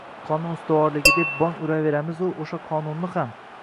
Qonun ustuvorligi deb bong uraveramizu o‘sha qonunni ham